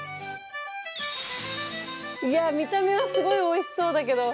いや見た目はすごいおいしそうだけど。